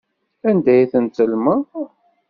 Anda ay ten-tellmeḍ?